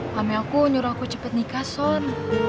mami aku nyuruh aku cepet nikah son